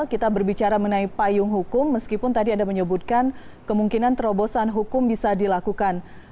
kita berbicara mengenai payung hukum meskipun tadi anda menyebutkan kemungkinan terobosan hukum bisa dilakukan